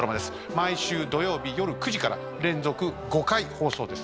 毎週土曜日夜９時から連続５回放送です。